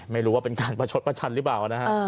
ไม่รู้ว่าเป็นการประชดประชันหรือเปล่านะฮะ